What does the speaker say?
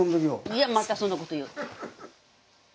いやまたそんなこと言う。